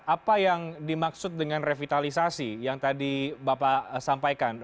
apa yang dimaksud dengan revitalisasi yang tadi bapak sampaikan